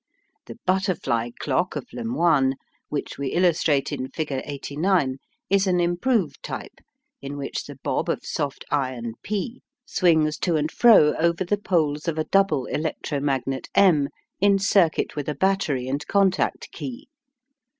The "butterfly clock" of Lemoine, which we illustrate in figure 89, is an improved type, in which the bob of soft iron P swings to and fro over the poles of a double electro magnet M in circuit with a battery and contact key.